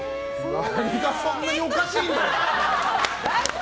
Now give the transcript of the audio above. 何がそんなにおかしいんだよ。